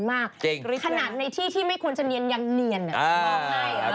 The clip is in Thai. ขนาดในที่ที่ไม่ควรจะเนียนยังเนียนมอบให้